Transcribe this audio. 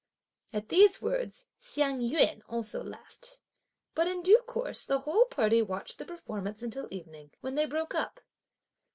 At these words, Hsiang yün also laughed. But, in due course, the whole party watched the performance until evening, when they broke up.